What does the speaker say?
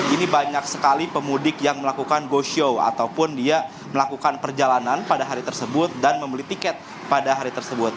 ini banyak sekali pemudik yang melakukan go show ataupun dia melakukan perjalanan pada hari tersebut dan membeli tiket pada hari tersebut